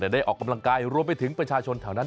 ได้ออกกำลังกายรวมไปถึงประชาชนแถวนั้น